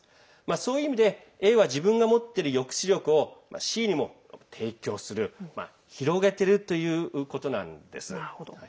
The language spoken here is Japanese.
そういう意味でＡは自分が持っている抑止力をＣにも提供する広げているということなんです。